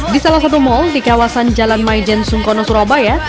di salah satu mal di kawasan jalan maijen sungkono surabaya